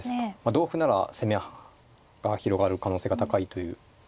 同歩なら攻めが広がる可能性が高いという。